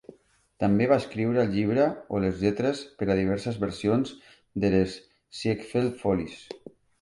També va escriure el llibre o les lletres per a diverses versions de les Ziegfeld Follies.